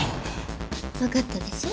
分かったでしょ？